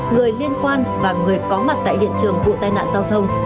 người liên quan và người có mặt tại hiện trường vụ tai nạn giao thông